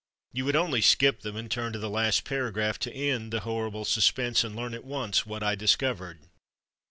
You would only skip them and turn to the last paragraph to end the horrible suspense and learn at once what I discovered.